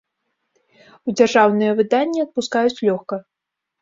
У дзяржаўныя выданні адпускаюць лёгка.